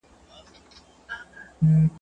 پر پچه وختی، کشمير ئې وليدی.